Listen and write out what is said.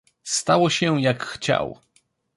"Stało się jak chciał."